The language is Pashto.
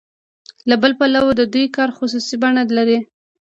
له بل پلوه د دوی کار خصوصي بڼه لري